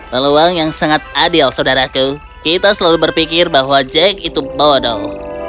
peluang yang sangat adil saudaraku kita selalu berpikir bahwa jack itu bodoh